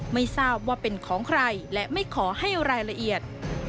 ไม่ทราบว่าเป็นของใครและไม่ขอให้รายละเอียด